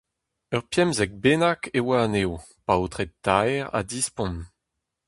Ur pemzek bennak e oa anezho, paotred taer ha dispont.